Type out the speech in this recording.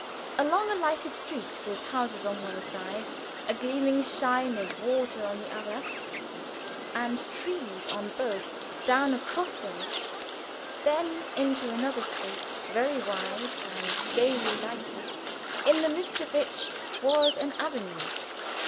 Along a lighted street with houses on one side, a gleaming shine of water on the other, and trees on both, down a cross way, then into another street, very wide, and gayly lighted, in the midst of which was an avenue.